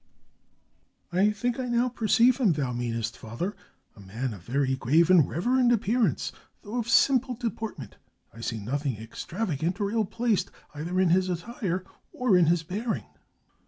"I think I now perceive him thou meanest, father; a man of very grave and reverend appearance, though of simple deportment. I see nothing extravagant or ill placed either in his attire or in his bearing."